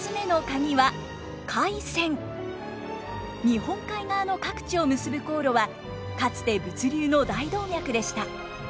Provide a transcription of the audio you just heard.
日本海側の各地を結ぶ航路はかつて物流の大動脈でした。